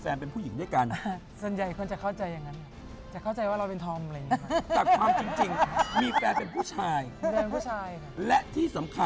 ตามดวงเป็นคนงกใช่มั้ยค่ะ